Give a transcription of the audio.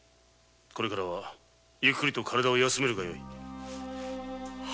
これからはゆっくり体を休めるがよい。